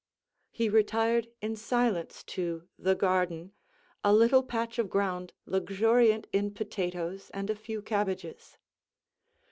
He retired in silence to "the garden," a little patch of ground luxuriant in potatoes and a few cabbages.